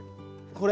これ？